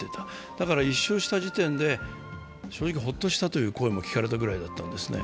だから１勝した時点で正直、ほっとしたという声も聞かれたぐらいだったんですね。